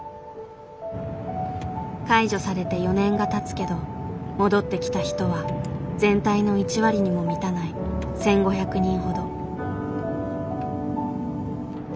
解除されて４年がたつけど戻ってきた人は全体の１割にも満たない１，５００人ほど。